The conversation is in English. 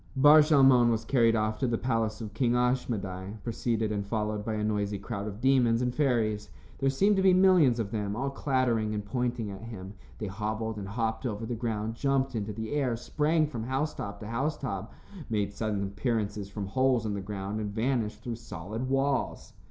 Bar Shalmon was carried off to the palace of King Ashmedai, preceded and followed by a noisy crowd of demons and fairies. There seemed to be millions of them, all clattering and pointing at him. They hobbled and hopped over the ground, jumped into the air, sprang from housetop to housetop, made sudden appearances from holes in the ground and vanished through solid walls.